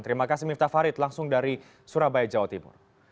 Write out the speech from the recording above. terima kasih miftah farid langsung dari surabaya jawa timur